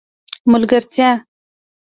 ملګرتیا